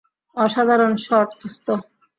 অসাধারণ শট, দোস্ত!